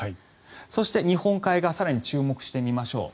そして日本海側更に注目してみましょう。